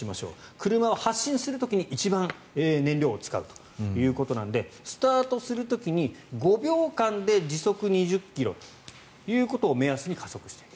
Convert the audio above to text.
車は発進する時に一番燃料を使うということなのでスタートする時に５秒間で時速２０ｋｍを目安に加速していく。